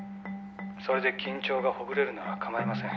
「それで緊張がほぐれるなら構いません」